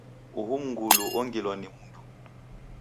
Uhu mngulu ongilwa ni mndu.